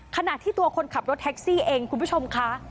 ขณะที่ตัวคนขับรถแท็กซี่เองคุณผู้ชมค่ะ